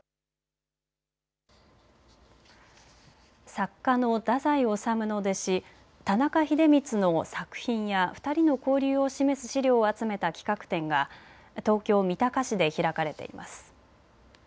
作家の太宰治の弟子、田中英光の作品や２人の交流を示す資料を集めた企画展が東京三鷹市で開かれています。